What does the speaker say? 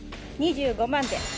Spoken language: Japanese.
２５万で。